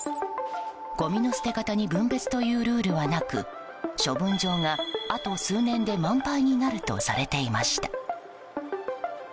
ごみの捨て方に分別というルールはなく処分場があと数年で満杯になるとされていました。